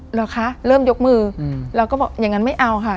เหรอคะเริ่มยกมือเราก็บอกอย่างนั้นไม่เอาค่ะ